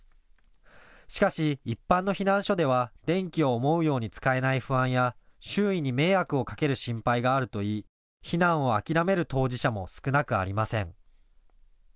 しかし一般の避難所では電気を思うように使えない不安や周囲に迷惑をかける心配があるといい避難を諦める当事者も少なくありません。